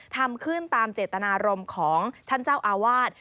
ทำขึ้นตามเจตนารมณ์ของท่านเจ้าอาวาส